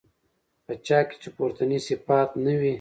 په چا كي چي پورتني صفات نه وي